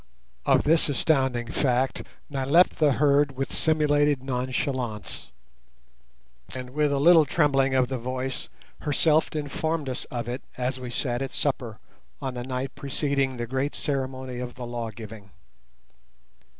Of this astounding fact Nyleptha heard with simulated nonchalance, and with a little trembling of the voice herself informed us of it as we sat at supper on the night preceding the great ceremony of the law giving.